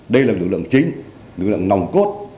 đây là lực lượng chính lực lượng nòng cốt